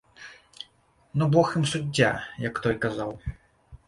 Ну бог ім суддзя, як той казаў.